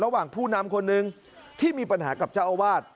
ผู้นำคนหนึ่งที่มีปัญหากับเจ้าอาวาส